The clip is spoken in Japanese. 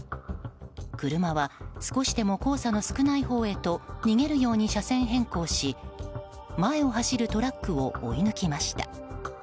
車は少しでも黄砂の少ないほうへと逃げるように車線変更し前を走るトラックを追い抜きました。